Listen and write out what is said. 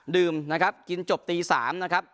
ดื่มนะครับกินจบตี๓นะครับ